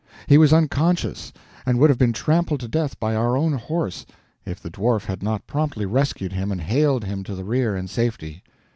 He was unconscious, and would have been trampled to death by our own horse, if the Dwarf had not promptly rescued him and haled him to the rear and safety.